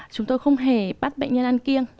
chúng tôi không hề bắt bệnh nhân ăn kiêng